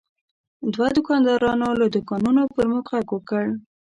دوه دوکاندارانو له دوکانونو پر موږ غږ وکړ.